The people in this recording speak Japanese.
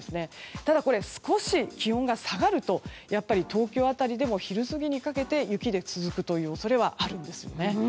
ただ、少し気温が下がると東京辺りでも昼過ぎにかけて雪が続く恐れがあるんですね。